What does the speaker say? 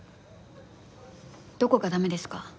どこがダメですか？